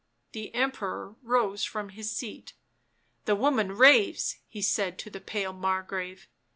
The Emperor rose from his seat. " The woman raves," he said to the pale Margrave.